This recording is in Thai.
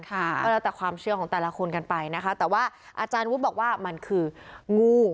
ก็แล้วแต่ความเชื่อของแต่ละคนกันไปนะคะแต่ว่าอาจารย์วุฒิบอกว่ามันคืองู